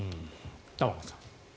玉川さん。